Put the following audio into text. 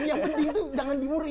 yang penting tuh jangan dimuruhi